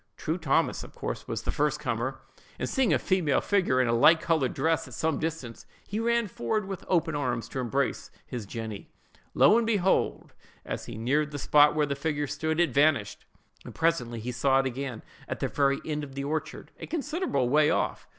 True Thomas, of course, was the first comer; and, seeing a female figure, in a light colored dress, at some distance, he ran forward with open arms to embrace his Jenny. Lo, and behold! as he neared the spot where the figure stood, it vanished; and presently he saw it again, at the very end of the orchard, a considerable way off.